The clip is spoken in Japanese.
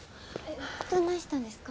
どないしたんですか？